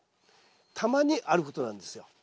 たまにあることなんですよ。